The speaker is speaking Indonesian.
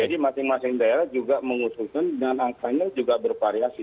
jadi masing masing daerah juga menguntungkan dan angkanya juga bervariasi